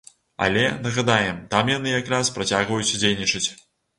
Але, нагадаем, там яны як раз працягваюць дзейнічаць.